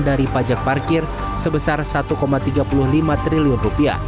dari pajak parkir sebesar rp satu tiga puluh lima triliun